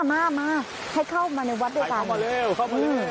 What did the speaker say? ให้เข้ามาในวัดเรียกค่ะ